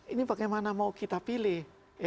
ini bagaimana mau kita pilih